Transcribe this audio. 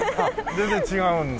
全然違うんだ。